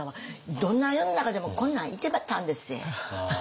どんな世の中でもこんなんいてたんでっせ。